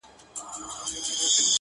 اوس مي تا ته دي راوړي سوغاتونه؛